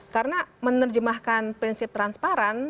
karena menerjemahkan prinsip transparan